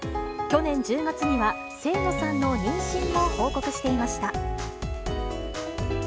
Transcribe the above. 去年１０月には、清野さんの妊娠を報告していました。